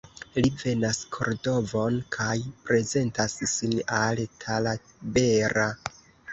Li venas Kordovon kaj prezentas sin al Talabera.